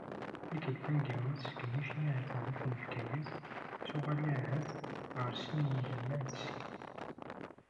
Tikkelt taneggarut, segmi cniɣ deg temdint n Bgayet, tettuɣal ahat ɣer sin yigiman d sin.